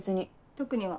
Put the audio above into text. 特には。